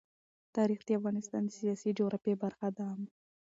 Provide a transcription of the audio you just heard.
تاریخ د افغانستان د سیاسي جغرافیه برخه ده.